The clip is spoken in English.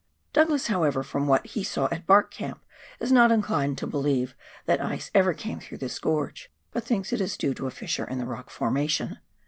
Douglas, however, from what he saw at Bark Camp, is not inclined to believe that ice ever came through this gorge, but thinks it is due to a fissure in the rock formation.